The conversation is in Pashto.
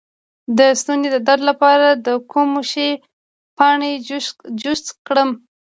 د ستوني د درد لپاره د کوم شي پاڼې جوش کړم؟